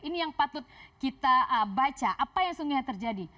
ini yang patut kita baca apa yang sesungguhnya terjadi